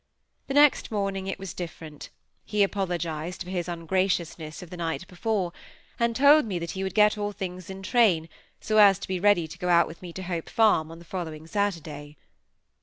The next morning it was different; he apologized for his ungraciousness of the night before; and told me that he would get all things in train, so as to be ready to go out with me to Hope Farm on the following Saturday.